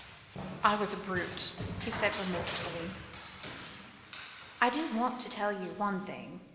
"I was a brute," he said remorsefully. "I do want to tell you one thing.